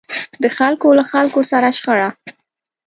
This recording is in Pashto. د خلکو له خلکو سره شخړه.